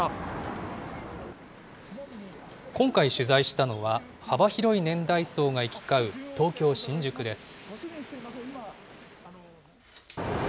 今回、取材したのは、幅広い年代層が行き交う東京・新宿です。